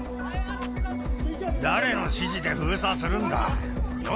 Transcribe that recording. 誰の指示で封鎖するんだ。